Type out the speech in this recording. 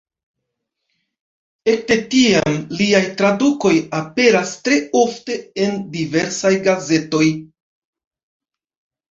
Ekde tiam liaj tradukoj aperas tre ofte en diversaj gazetoj.